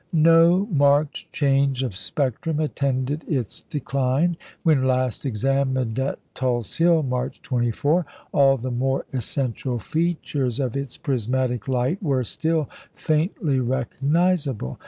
No marked change of spectrum attended its decline. When last examined at Tulse Hill, March 24, all the more essential features of its prismatic light were still faintly recognisable.